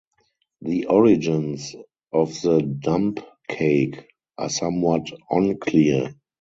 The origins of the dump cake are somewhat unclear.